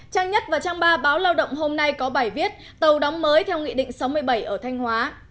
trang nhất và trang ba báo lao động hôm nay có bài viết tàu đóng mới theo nghị định sáu mươi bảy ở thanh hóa